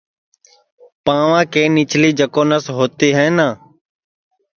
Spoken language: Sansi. تو اِدؔا یہ ٻڈؔے جیناورا کے پاںؤا کے نیچلی جکو نس ہوتی ہے نہ